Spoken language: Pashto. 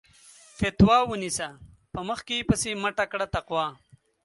فَتوا ونيسه په مخ کې پسې مٔټه کړه تقوا